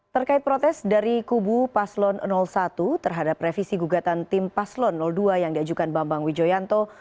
terkait protes dari kubu paslon satu terhadap revisi gugatan tim paslon dua yang diajukan bambang wijoyanto